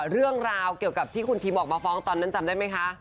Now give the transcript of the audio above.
เรื่องราวเกี่ยวกับที่คุณทิมออกมาฟ้องตอนนั้นจำได้ไหมคะ